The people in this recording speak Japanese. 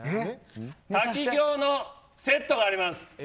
滝行のセットがあります。